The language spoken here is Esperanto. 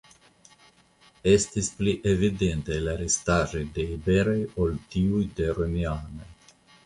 Estis pli evidentaj la restaĵoj de iberoj ol tiuj de romianoj.